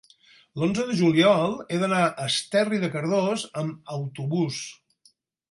l'onze de juliol he d'anar a Esterri de Cardós amb autobús.